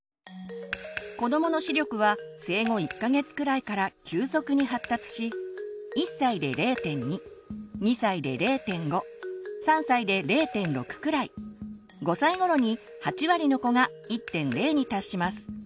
子どもの視力は生後１か月くらいから急速に発達し１歳で０．２２歳で０．５３歳で０．６くらい５歳頃に８割の子が１．０に達します。